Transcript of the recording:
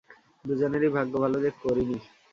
দুজনেরই ভাগ্য ভাল যে করিনি।